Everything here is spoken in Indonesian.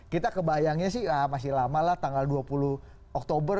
kita kebayangnya sih masih lama lah tanggal dua puluh oktober